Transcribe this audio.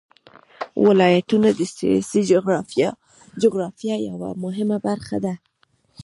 ولایتونه د سیاسي جغرافیه یوه مهمه برخه ده.